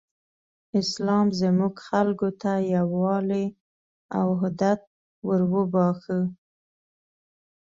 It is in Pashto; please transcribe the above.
اسلام زموږ خلکو ته یووالی او حدت وروباښه.